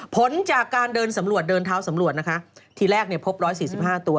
ผลจากการเดินสำรวจเดินเท้าสำรวจนะคะทีแรกเนี่ยพบ๑๔๕ตัว